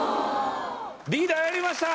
リーダーやりました！